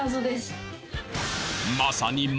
まさに何？